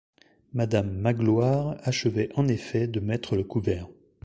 Madame Magloire achevait en effet de mettre le couvert.